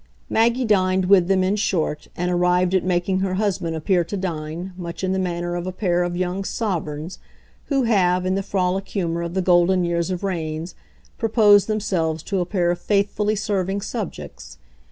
Maggie dined with them, in short, and arrived at making her husband appear to dine, much in the manner of a pair of young sovereigns who have, in the frolic humour of the golden years of reigns, proposed themselves to a pair of faithfully serving subjects.